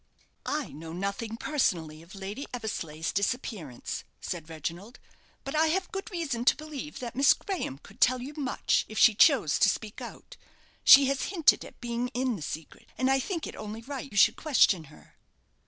"I know nothing personally of Lady Eversleigh's disappearance," said Reginald; "but I have good reason to believe that Miss Graham could tell you much, if she chose to speak out. She has hinted at being in the secret, and I think it only right you should question her."